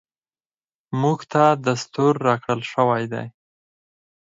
موږ ته دستور راکړل شوی دی .